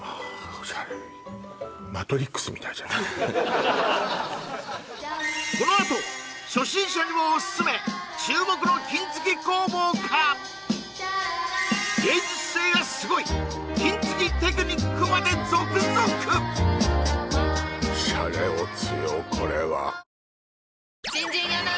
オシャレこのあと初心者にもオススメ注目の金継ぎ工房から芸術性がすごい金継ぎテクニックまで続々やさしいマーン！！